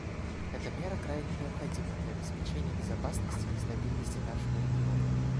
Эта мера крайне необходима для обеспечения безопасности и стабильности нашего региона.